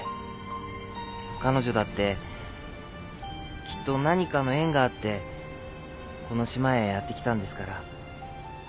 彼女だってきっと何かの縁があってこの島へやって来たんですから。